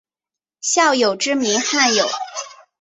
孝友之名罕有。